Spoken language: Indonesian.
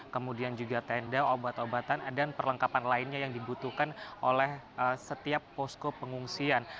kemudian juga tenda obat obatan dan perlengkapan lainnya yang dibutuhkan oleh setiap posko pengungsian